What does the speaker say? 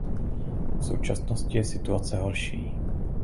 V současnosti je situace horší.